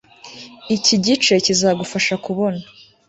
Iki gice kizagufasha kubona